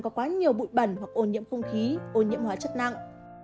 có quá nhiều bụi bẩn hoặc ô nhiễm không khí ô nhiễm hóa chất năng